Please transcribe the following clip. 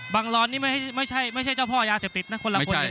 บังรอนนี่ไม่ใช่ไม่ใช่ไม่ใช่เจ้าพ่อยาเสียบติดน่ะคนละคนนี่น่ะ